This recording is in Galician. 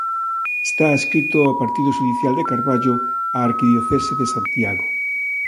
Está adscrito ao partido xudicial de Carballo, á arquidiocese de Santiago.